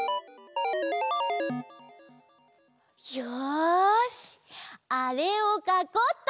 よしあれをかこうっと！